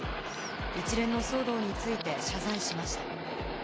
一連の騒動について謝罪しました。